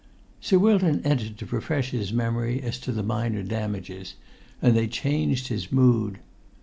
Sir Wilton entered to refresh his memory as to the minor damages, and they changed his mood.